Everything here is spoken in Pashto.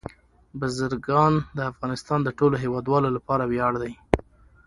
بزګان د افغانستان د ټولو هیوادوالو لپاره ویاړ دی.